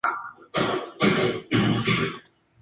Será condenado a muerte y posteriormente indultado por el rey.